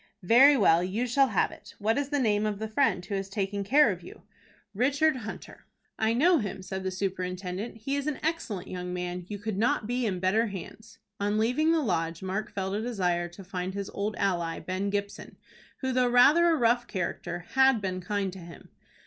"Very well. You shall have it. What is the name of the friend who has taken care of you?" "Richard Hunter." "I know him," said the superintendent. "He is an excellent young man. You could not be in better hands." On leaving the Lodge Mark felt a desire to find his old ally, Ben Gibson, who, though rather a rough character, had been kind to him.